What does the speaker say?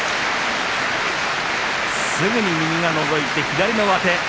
すぐに右がのぞいて左の上手。